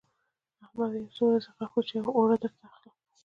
احمده! يو څو ورځې غاښ وچيچه؛ اوړه درته اخلم.